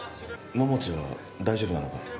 桃地は大丈夫なのか？